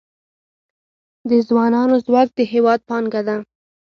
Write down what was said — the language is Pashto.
د ځوانانو ځواک د هیواد پانګه ده